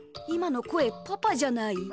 今の声パパじゃない？